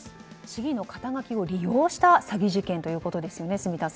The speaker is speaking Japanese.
市議の肩書を利用した詐欺事件ということですね。